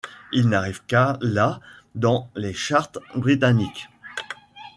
Il n'arrive qu'à la dans les charts britanniques.